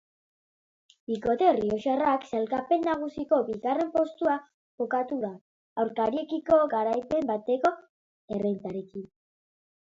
Bikote errioxarra sailkapen nagusiko bigarren postuan kokatu da aurkariekiko garaipen bateko errentarekin.